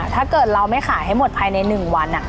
ถ้าเกิดเราไม่ขายให้หมดภายใน๑วัน